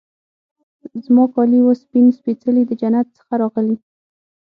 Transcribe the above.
زما کالي وه سپین سپيڅلي د جنت څخه راغلي